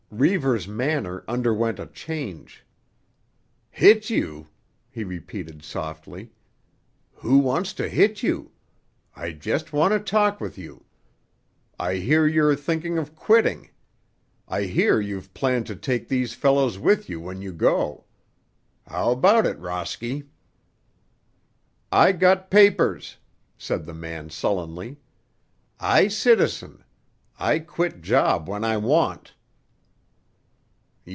Reivers's manner underwent a change. "Hit you?" he repeated softly. "Who wants to hit you? I just want to talk with you. I hear you're thinking of quitting. I hear you've planned to take these fellows with you when you go. How about it, Rosky?" "I got papers," said the man sullenly. "I citizen; I quit job when I want."